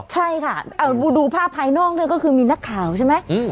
ใช่ค่ะดูภาพภายนอกนี่ก็คือมีนักข่าวใช่ไหม